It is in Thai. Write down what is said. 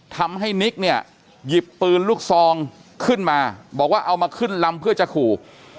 นิกเนี่ยหยิบปืนลูกซองขึ้นมาบอกว่าเอามาขึ้นลำเพื่อจะขู่